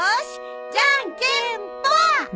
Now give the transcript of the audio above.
じゃんけんぽん